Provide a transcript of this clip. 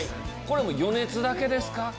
余熱だけですか？